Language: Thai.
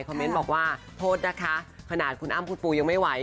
เมนต์บอกว่าโทษนะคะขนาดคุณอ้ำคุณปูยังไม่ไหว